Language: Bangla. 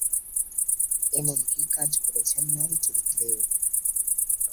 এমনকি কাজ করেছেন নারী চরিত্রেও।